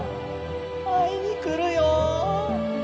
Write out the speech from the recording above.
会いにくるよ！